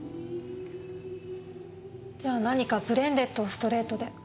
じゃ何かブレンデッドをストレートで。